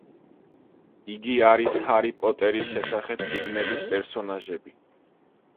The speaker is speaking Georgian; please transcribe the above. იგი არის ჰარი პოტერის შესახებ წიგნების პერსონაჟები.